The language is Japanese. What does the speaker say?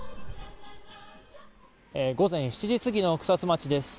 午前７時過ぎの草津町です。